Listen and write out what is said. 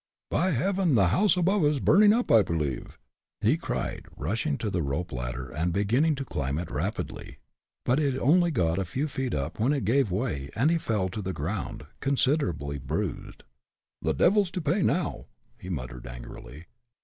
"By Heaven! the house above is burning up, I believe!" he cried, rushing to the rope ladder and beginning to climb it rapidly. But he had only got a few feet up when it gave way, and he fell to the ground, considerably bruised. "The devil's to pay now!" he muttered, angrily.